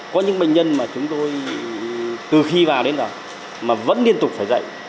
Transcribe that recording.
có những bệnh nhân mà chúng tôi từ khi vào đến giờ mà vẫn liên tục phải dạy